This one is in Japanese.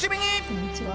こんにちは。